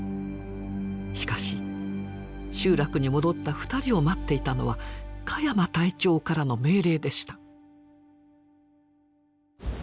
しかし集落に戻った２人を待っていたのは鹿山隊長からの命令でした。